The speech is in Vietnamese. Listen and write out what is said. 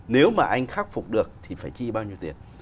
nếu mà anh khắc phục được thì phải chi bao nhiêu tiền